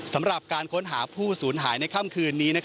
สำหรับการค้นหาผู้สูญหายในค่ำคืนนี้